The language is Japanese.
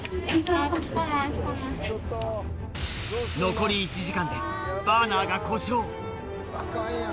残り１時間でバーナーが故障アカンやん。